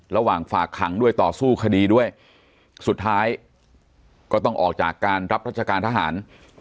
ระหว่างฝากขังด้วยต่อสู้คดีด้วยสุดท้ายก็ต้องออกจากการรับรัชการทหาร